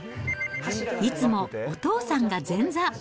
いつも、お父さんが前座。